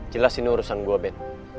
jelas ini urusan gue ben